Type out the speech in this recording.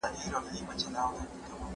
موږ ټول د یوې لویې ټولنې غړي یو.